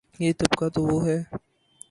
یہ طبقہ تو وہ ہے۔